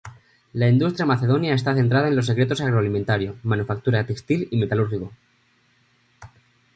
La industria macedonia está centrada en los sectores agroalimentario, manufactura textil y metalúrgico.